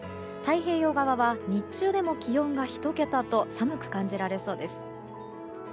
太平洋側は日中でも気温が１桁と寒く感じられそうです。